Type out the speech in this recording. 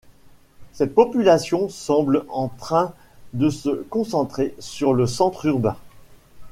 Cette population semble en train de se concentrer sur le centre urbain.